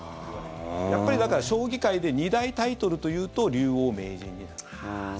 やっぱり将棋界で二大タイトルというと竜王、名人になる。